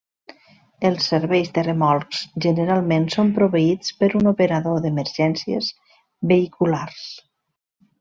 Els serveis de remolcs generalment són proveïts per un operador d'emergències vehiculars.